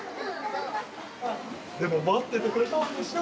「でもまっててくれたんでしょ。